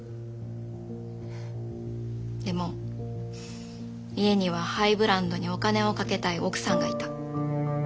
でも家にはハイブランドにお金をかけたい奥さんがいた。